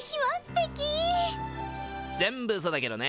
全部ウソだけどね。